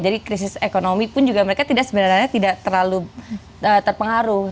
jadi krisis ekonomi pun juga mereka sebenarnya tidak terlalu terpengaruh